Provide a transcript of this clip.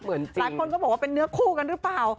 หลายคนก็บอกว่าเป็นเนื้อคู่กันหรือเปล่า